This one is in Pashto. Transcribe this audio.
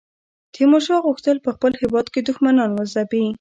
تیمورشاه غوښتل په خپل هیواد کې دښمنان وځپي.